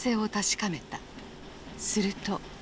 すると。